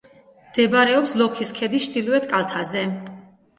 მდებარეობს ლოქის ქედის ჩრდილოეთ კალთაზე.